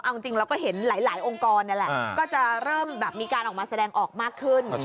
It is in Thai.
เอาจริงเราก็เห็นหลายองค์กรนี่แหละก็จะเริ่มแบบมีการออกมาแสดงออกมากขึ้น